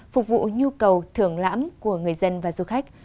phục vụ nhu cầu thưởng lãm của người dân và du khách